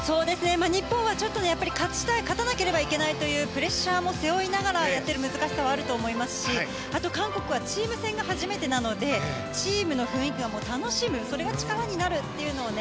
日本はちょっと、勝ちたい勝たなければいけないというプレッシャーも背負いながらやっているという難しさはあると思いますし韓国はチーム戦が初めてなのでチームの雰囲気が、楽しむそれが力になるというのをね。